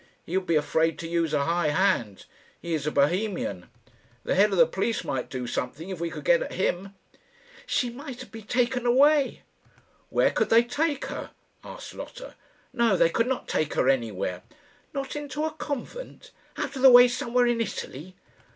He would be afraid to use a high hand. He is Bohemian. The head of the police might do something, if we could get at him." "She might be taken away." "Where could they take her?" asked Lotta. "No; they could not take her anywhere." "Not into a convent out of the way somewhere in Italy?"